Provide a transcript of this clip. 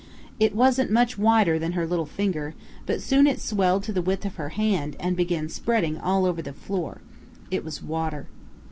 It wasn't much wider than her little finger, but soon it swelled to the width of her hand, and began spreading all over the floor. It was water.